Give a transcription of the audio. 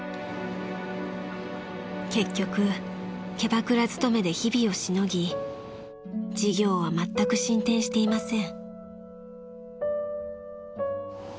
［結局キャバクラ勤めで日々をしのぎ事業はまったく進展していません］